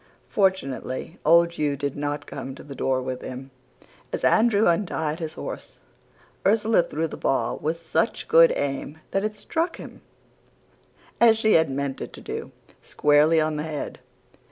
Fortunately old Hugh did not come to the door with him. As Andrew untied his horse Ursula threw the ball with such good aim that it struck him, as she had meant it to do, squarely on the head.